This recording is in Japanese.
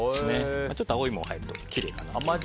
ちょっと青いものが入るときれいかなと。